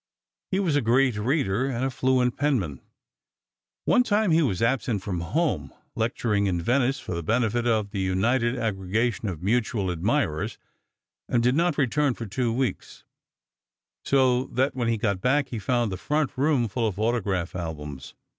He was a great reader and a fluent penman. One time he was absent from home, lecturing in Venice for the benefit of the United Aggregation of Mutual Admirers, and did not return for two weeks, so that when he got back he found the front room full of autograph albums.